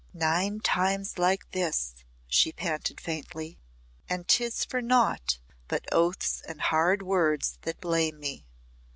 "Nine times like this," she panted faintly, "and 'tis for naught but oaths and hard words that blame me.